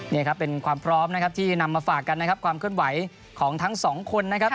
นี่เป็นความพร้อมที่นำมาฝากกันความเคลื่อนไหวของทั้งสองคน